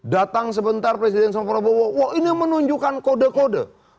datang sebentar presiden soprabowo wah ini menunjukkan kode kode